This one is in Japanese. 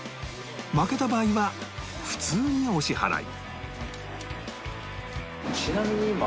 負けた場合は普通にお支払い